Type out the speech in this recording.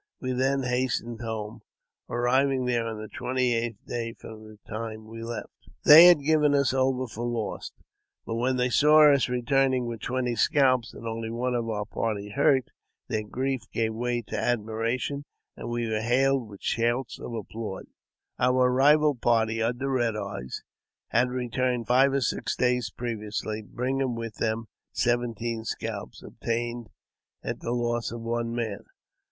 We then hastened home, arriving there on the twenty eighth day from the time we left. They had given us over for lost ; but when they saw us returning with twenty scalps, and only one of our party hurt, their grief gave way to admiration, and we were hailed with shouts of applause. Our rival party, under Bed Eyes, had returned five or six •days previously, bringing with them seventeen scalps, obtained at the loss of one man.